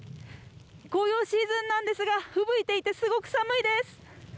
紅葉シーズンなんですが、ふぶいていてすごく寒いです。